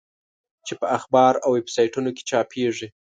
چې په اخبار او ویب سایټونو کې چاپېږي.